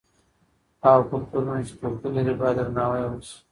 هغه کلتورونه چې توپیر لري باید درناوی یې وسي.